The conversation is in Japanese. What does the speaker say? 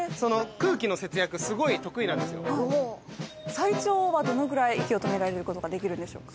最長はどのぐらい息を止められる事ができるんでしょうか？